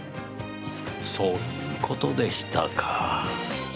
そういうことでしたか。